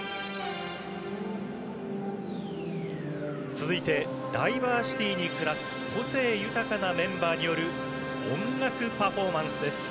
続いてダイバー・シティーに暮らす個性豊かなメンバーによる音楽パフォーマンスです。